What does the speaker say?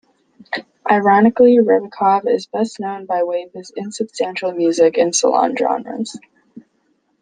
Ironically Rebikov is best known by way of his insubstantial music in salon genres.